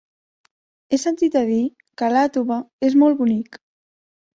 He sentit a dir que Iàtova és molt bonic.